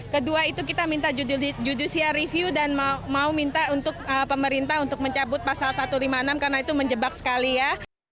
kedua itu kita minta judicial review dan mau minta untuk pemerintah untuk mencabut pasal satu ratus lima puluh enam karena itu menjebak sekali ya